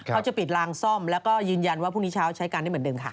เขาจะปิดลางซ่อมแล้วก็ยืนยันว่าพรุ่งนี้เช้าใช้การได้เหมือนเดิมค่ะ